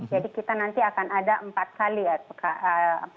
jadi kita nanti akan ada empat kali ya